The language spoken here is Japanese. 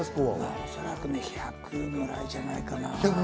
おそらく１００ぐらいじゃないかな？